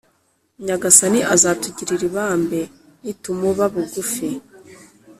Nyagasani azatugirira ibambe nitumuba bugufi